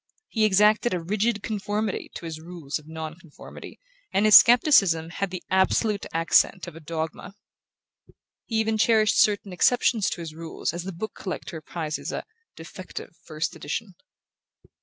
He exacted a rigid conformity to his rules of non conformity and his scepticism had the absolute accent of a dogma. He even cherished certain exceptions to his rules as the book collector prizes a "defective" first edition.